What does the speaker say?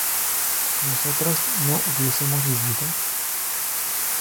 ¿nosotras no hubiésemos vivido?